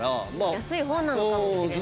安い方なのかもしれないね。